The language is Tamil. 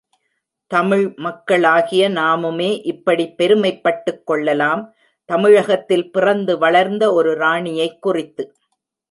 தமிழ் மக்களாகிய நாமுமே இப்படிப் பெருமைப் பட்டுக் கொள்ளலாம், தமிழகத்தில் பிறந்து வளர்ந்த ஒரு ராணியைக் குறித்து.